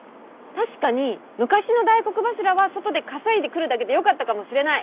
確かに昔の大黒柱は外で稼いでくるだけでよかったかもしれない。